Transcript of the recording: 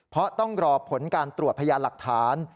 เพราะต้องรอผลการตรวจพยานหลักฐาน